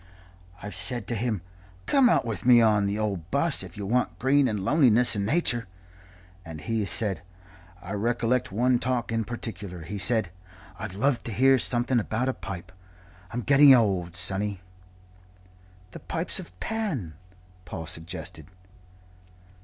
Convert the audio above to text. I've said to him, 'Come out with me on the old 'bus if you want green and loneliness and nature.' And he has said I recollect one talk in particular he said, 'I'd love to hear' something about a pipe I'm getting old, sonny " "The Pipes of Pan?" Paul suggested.